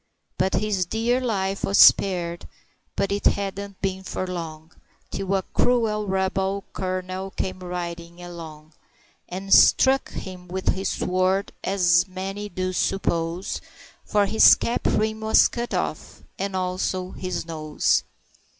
But his dear life was spared, but it hadn't been for long Till a cruel rebel colonel came riding along, And struck him with his sword, as many do suppose, For his cap rim was cut off, and also his nose.